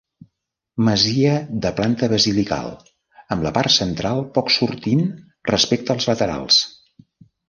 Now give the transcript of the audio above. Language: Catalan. Masia de planta basilical, amb la part central poc sortint respecte als laterals.